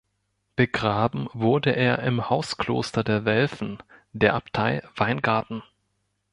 Begraben wurde er im Hauskloster der Welfen, der Abtei Weingarten.